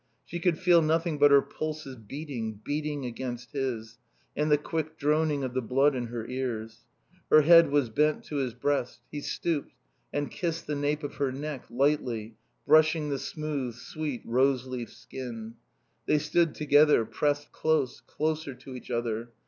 She could feel nothing but her pulses beating, beating against his, and the quick droning of the blood in her ears. Her head was bent to his breast; he stooped and kissed the nape of her neck, lightly, brushing the smooth, sweet, roseleaf skin. They stood together, pressed close, closer, to each other.